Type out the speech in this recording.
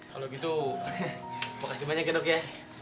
kalau gitu makasih banyak ya dok ya